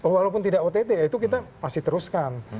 walaupun tidak ott itu kita masih teruskan